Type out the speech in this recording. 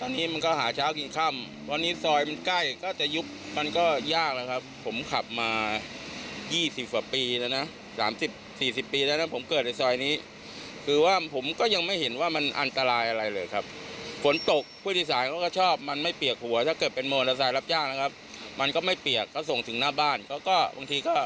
บางทีก็เข้าอยู่เจริญใหม่อย่างนี้ก็๒๐บาท